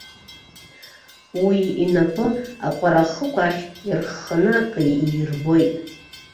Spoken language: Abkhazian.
Уи инапы аҟәарахықә ахь ирхханы ак иирбоит.